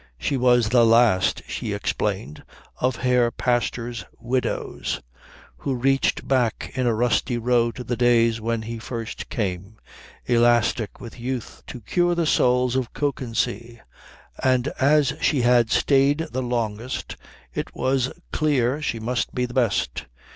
She was the last, she explained, of the Herr Pastor's widows, who reached back in a rusty row to the days when he first came, elastic with youth, to cure the souls of Kökensee, and as she had stayed the longest it was clear she must be the best.